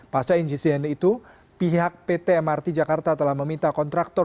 pasca insiden itu pihak pt mrt jakarta telah meminta kontraktor